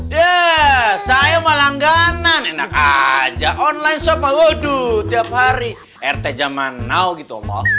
iya saya mah langganan enak aja online shop mah waduh tiap hari rt jaman now gitu mah